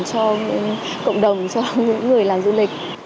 cho cộng đồng cho những người làm du lịch